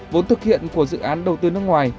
vốn thực hiện của dự án đầu tư nước ngoài